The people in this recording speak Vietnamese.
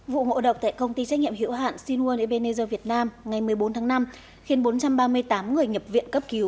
vụ ngộ độc tại công ty trách nhiệm hữu hoạng sinh quân ebenezer việt nam ngày một mươi bốn tháng năm khiến bốn trăm ba mươi tám người nhập viện cấp cứu